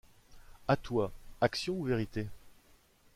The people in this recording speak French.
À toi, action ou vérité ?